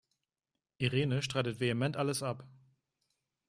Irene streitet vehement alles ab.